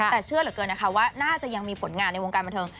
แต่เชื่อเหลือเกินนะคะว่าน่าจะยังมีผลงานในวงการบันเทิง